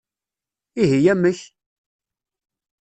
Ihi amek?